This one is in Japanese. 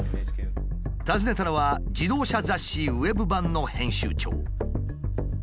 訪ねたのは自動車雑誌ウェブ版の編集長。